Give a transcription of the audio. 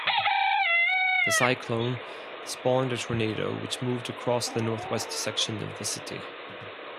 The cyclone spawned a tornado which moved across the northwest section of the city.